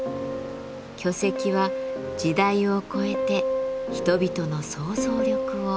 巨石は時代を超えて人々の想像力を刺激しています。